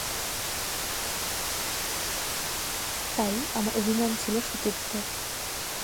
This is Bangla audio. তাই আমার অভিমান ছিল সতীত্বের।